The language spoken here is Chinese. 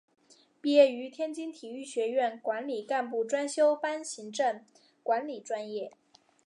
毕业于天津体育学院管理干部专修班行政管理专业。